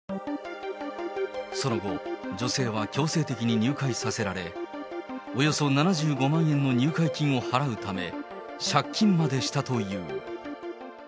その後、女性は強制的に入会させられ、およそ７５万円の入会金を払うため、借金までしたという。